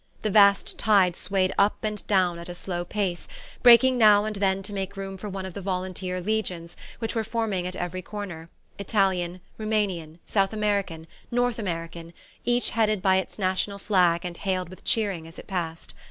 The vast tide swayed up and down at a slow pace, breaking now and then to make room for one of the volunteer "legions" which were forming at every corner: Italian, Roumanian, South American, North American, each headed by its national flag and hailed with cheering as it passed.